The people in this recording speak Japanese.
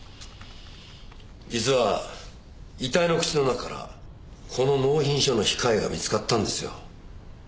実は遺体の口の中からこの納品書の控えが見つかったんですよ。